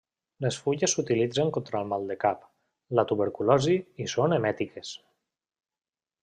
Les fulles s'utilitzen contra el mal de cap, la tuberculosi i són emètiques.